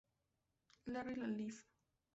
Lari la live!